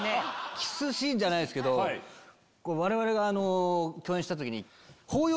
キスシーンじゃないですけど我々が共演した時に。